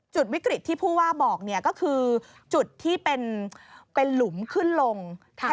จุดวิกฤตที่ผู้ว่าบอกก็คือจุดที่เป็นหลุมขึ้นลง